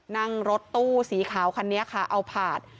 นั่งรถตู้สีขาวคันนี้ค่ะเอาผาด